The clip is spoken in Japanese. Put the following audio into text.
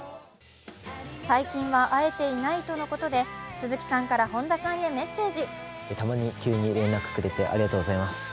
最近は会えていないとのことで、鈴木さんから本田さんへメッセージ。